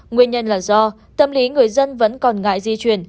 nguyên nhân là do tâm lý người dân vẫn còn ngại di chuyển